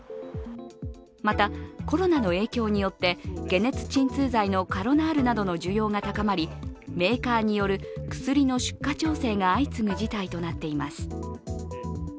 またコロナの影響によって、解熱鎮痛剤のカロナールなどの需要が高まりメーカーによる薬の出荷調整が相次ぐ事態となっています。